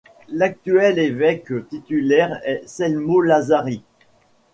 L'actuel évêque titulaire est Celmo Lazzari.